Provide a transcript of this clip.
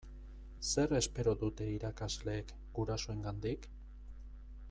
Zer espero dute irakasleek gurasoengandik?